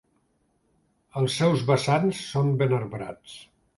Els seus vessants són ben arbrats.